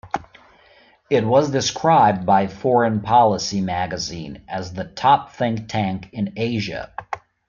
It was described by "Foreign Policy" magazine as the top think tank in Asia.